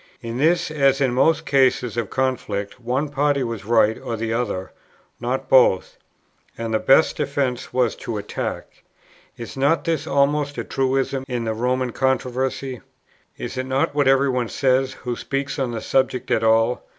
In this, as in most cases of conflict, one party was right or the other, not both; and the best defence was to attack. Is not this almost a truism in the Roman controversy? Is it not what every one says, who speaks on the subject at all?